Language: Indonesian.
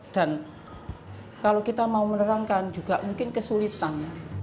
dan kalau kita mau menerangkan juga mungkin kesulitan